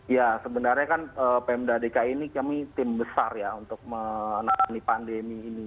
ya sebenarnya kan pemda dki ini kami tim besar ya untuk menangani pandemi ini